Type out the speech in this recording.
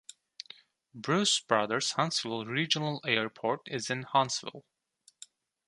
Bruce Brothers Huntsville Regional Airport is in Huntsville.